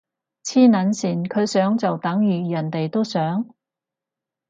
黐撚線，佢想就等如人哋都想？